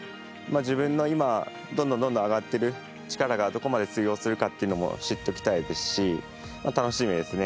自分の今、どんどんどんどん上がっている力がどこまで通用するかというのも知っておきたいですし楽しみですね。